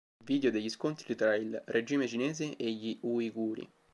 Video degli scontri tra il Regime Cinese e gli Uiguri